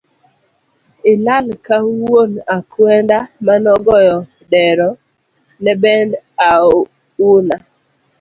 Ilal ka wuon akwenda manogoyo dero nebend auna